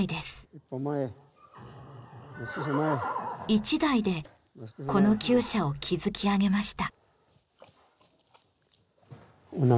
一代でこのきゅう舎を築き上げました。